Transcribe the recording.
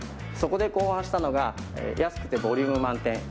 そこで考案したのが安くてボリューム満点